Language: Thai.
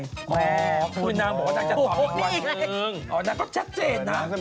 คุณนางบอกว่านางจะตอบ